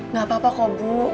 gak apa apa kok bu